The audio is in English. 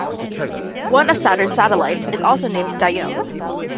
One of Saturn's satellites is also named Dione.